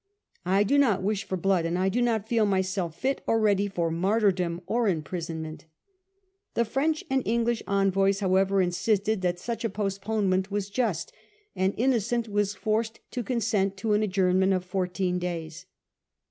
I do not wish for blood, and I do not feel myself fit or ready for martyrdom or imprisonment." The French and English envoys, however, insisted that such a post THE COUNCIL OF LYONS 229 ponement was just, and Innocent was forced to consent to an adjournment of fourteen days.